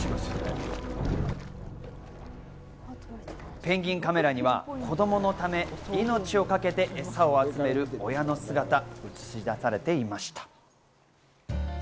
ペンギンカメラには子供のため、命をかけてエサを集める親の姿が映し出されていました。